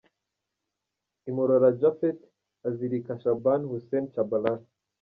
Imurora Japhet azirika Shaban Hussein Tchabalala.